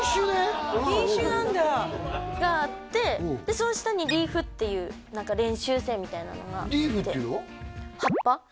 うんうん品種なんだがあってでその下にリーフっていう何か練習生みたいなのがリーフっていうのは？